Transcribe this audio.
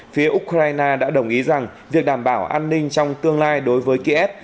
phía ukraine đã đồng ý rằng việc đảm bảo an ninh trong tương lai đối với kiev